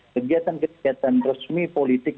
kegiatan kegiatan resmi politik